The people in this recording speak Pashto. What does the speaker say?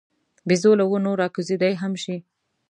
بیزو له ونو راکوزېدای هم شي.